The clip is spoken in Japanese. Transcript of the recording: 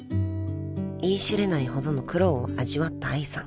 ［言い知れないほどの苦労を味わった愛さん］